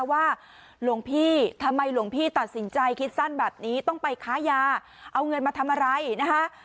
หลวงพี่ทำไมหลวงพี่ตัดสินใจคิดสั้นแบบนี้ต้องไปค้ายาเอาเงินมาทำอะไรนะคะ